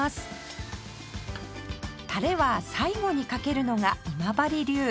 タレは最後にかけるのが今治流